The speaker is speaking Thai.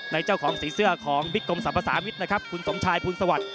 ในเจ้าของสีเสื้อของบิดกรมสัมภาษามิตรคุณสมชายพูดสวัสดิ์